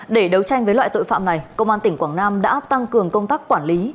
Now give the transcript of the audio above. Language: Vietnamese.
để đấu tranh với loại tội phạm này công an tỉnh quảng nam đã tăng cường công tác quản lý